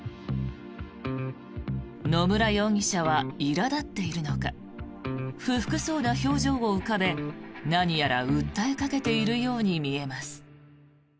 野村容疑者はいら立っているのか不服そうな表情を浮かべ何やら訴えかけているように見えます。